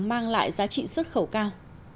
mang lại giá trị xuất khẩu cao